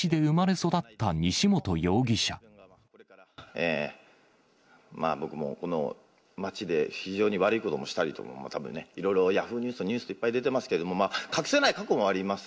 えー、まぁ、僕もこの町で非常に悪いこともしたりとか、たぶんね、いろいろ、ヤフーニュースとかでいっぱい出てますけど、隠せない過去もあります。